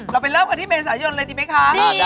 เราไปเริ่มกันที่เมษายนเลยดีไหมคะ